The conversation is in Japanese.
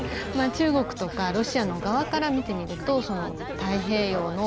中国とかロシアの側から見てみると、太平洋の。